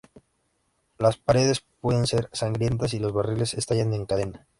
Las paredes pueden ser sangrientas y los barriles estallan en cadena.